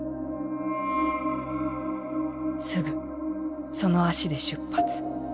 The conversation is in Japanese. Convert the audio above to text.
「すぐその足で出発。